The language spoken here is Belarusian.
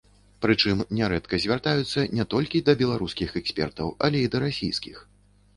Прычым нярэдка звяртаюцца не толькі да беларускіх экспертаў, але і да расійскіх.